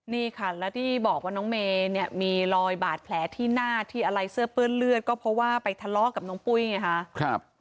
นี่ค่ะแล้วที่บอกว่าน้องเมย์เนี่ยมีรอยบาดแผลที่หน้าที่อะไรเสื้อเปื้อนเลือดก็เพราะว่าไปทะเลาะกับน้องปุ้ยไงคะ